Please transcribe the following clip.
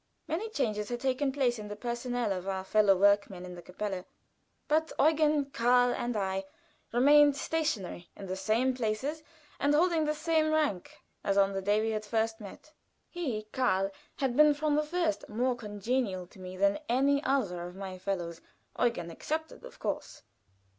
Many changes had taken place in the personnel of our fellow workmen in the kapelle, but Eugen, Karl, and I remained stationary in the same places and holding the same rank as on the day we had first met. He, Karl, had been from the first more congenial to me than any other of my fellows (Eugen excepted, of course).